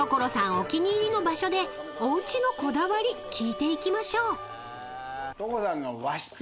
お気に入りの場所でおうちのこだわり聞いていきましょう］